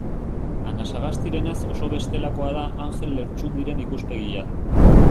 Anasagastirenaz oso bestelakoa da Anjel Lertxundiren ikuspegia.